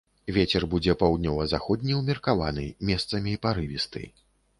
Вецер будзе паўднёва-заходні ўмеркаваны, месцамі парывісты.